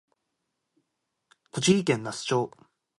栃木県那須町